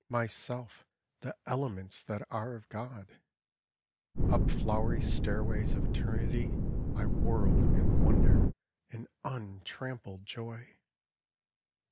Myself the elements that are of God. Up flowery stairways of eternity I whirled in wonder and untrammeled joy.